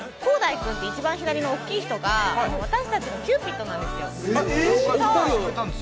君って一番左の大きい人が私たちのキューピットなんですよ。